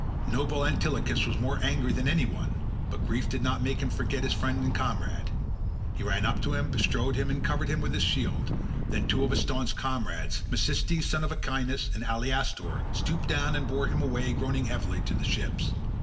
Noble Antilochus was more angry than any one, but grief did not make him forget his friend and comrade. He ran up to him, bestrode him, and covered him with his shield; then two of his staunch comrades, Mecisteus son of Echius, and Alastor, stooped down, and bore him away groaning heavily to the ships.